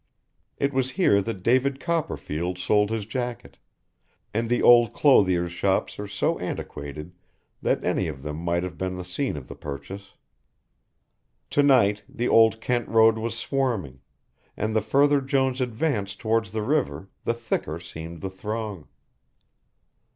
It was here that David Copperfield sold his jacket, and the old clothiers' shops are so antiquated that any of them might have been the scene of the purchase. To night the old Kent Road was swarming, and the further Jones advanced towards the river the thicker seemed the throng.